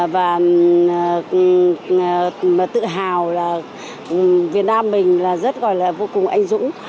và tự hào là việt nam mình là rất gọi là vô cùng anh dũng